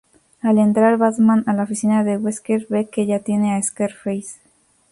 Al entrar Batman a la oficina de Wesker ve que ya tiene a Scarface.